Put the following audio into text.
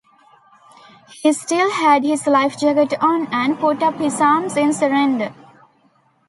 He still had his life-jacket on and put up his arms in surrender.